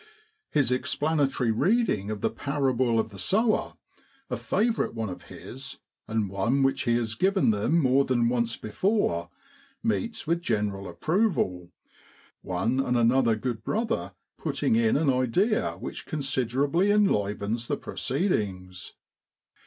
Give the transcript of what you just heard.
His explanatory reading of the parable of the sower, a favourite one of his, and one which he has given them more than once before, meets with general approval, one and another good brother putting in an idea which considerably enlivens the proceedings.